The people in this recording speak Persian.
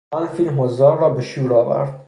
آن فیلم حضار را به شور آورد.